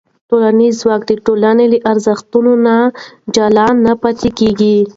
ټولنیز ځواک د ټولنې له ارزښتونو نه جلا نه پاتې کېږي.